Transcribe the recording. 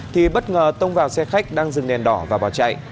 thì bất ngờ tông vào xe khách đang dừng đèn đỏ và bỏ chạy